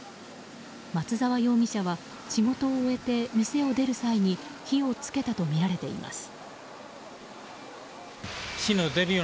松沢容疑者は、仕事を終えて店を出る際に火を付けたとみられています。